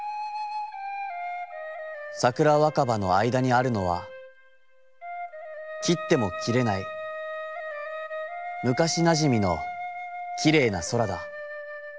桜若葉の間に在るのは、切つても切れないむかしなじみのきれいな空だ。